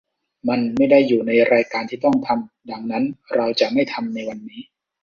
มันไม่ได้อยู่ในรายการที่ต้องทำ ดังนั้นเราจะไม่ทำในวันนี้